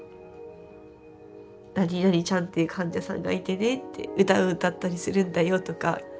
何々ちゃんっていう患者さんがいてねって歌を歌ったりするんだよとか。